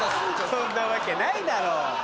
そんなわけないだろ。